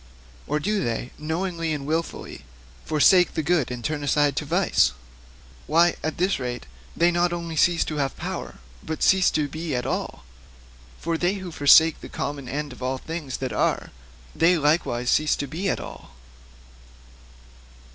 Or do they knowingly and wilfully forsake the good and turn aside to vice? Why, at this rate, they not only cease to have power, but cease to be at all. For they who forsake the common end of all things that are, they likewise also cease to be at all.